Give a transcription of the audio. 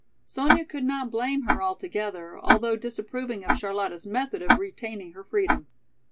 Sonya could not blame her altogether, although disapproving of Charlotta's method of retaining her freedom.